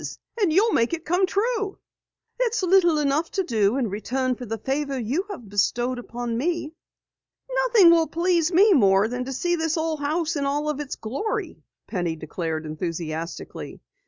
And you'll make it come true!" "It's little enough to do in return for the favor you have bestowed upon me." "Nothing will please me more than to see this old house in all its glory!" Penny declared enthusiastically.